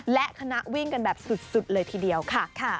และคณะวิ่งกันแบบสุดเลยทีเดียวค่ะ